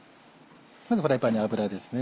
まずフライパンに油ですね。